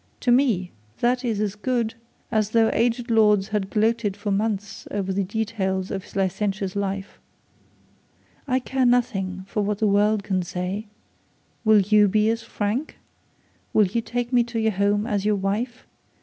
To me that is as good as though aged lords had gloated for months over the details of his licentious life. I care nothing for what the world can say. Will you be as frank? Will you take me to your home as your wife?